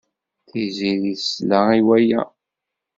Tiziri tesla i waya.